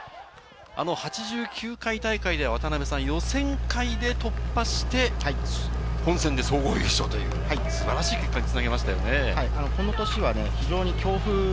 ８９回大会で予選会で突破して本選で総合優勝という素晴らしい結果に繋げましたよね。